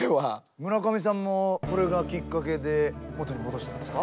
村上さんもこれがきっかけで元に戻したんすか？